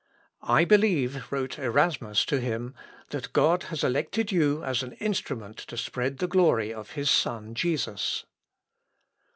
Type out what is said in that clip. "I believe," wrote Erasmus to him, "that God has elected you as an instrument to spread the glory of his Son Jesus."